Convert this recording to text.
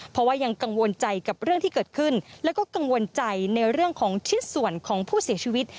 เพราะว่ายังกังวลใจกับเรื่องที่เกิดขึ้นแล้วก็กังวลใจในเรื่องของชิ้นส่วนของผู้เสียชีวิต